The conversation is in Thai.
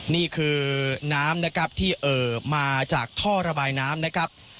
นี่คือน้ำนะครับที่เอ่อมาจากท่อระบายน้ำนะครับ